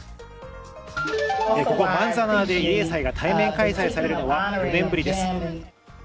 ここ、マンザナーで慰霊祭が対面開催されるのは４年ぶりです。